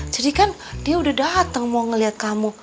jadi kan dia udah dateng mau ngeliat kamu